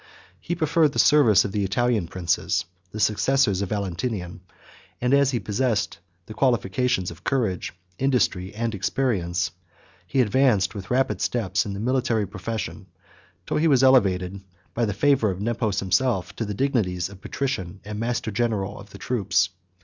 He preferred the service of the Italian princes, the successors of Valentinian; and as he possessed the qualifications of courage, industry, and experience, he advanced with rapid steps in the military profession, till he was elevated, by the favor of Nepos himself, to the dignities of patrician, and master general of the troops.